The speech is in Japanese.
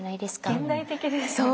現代的ですよね。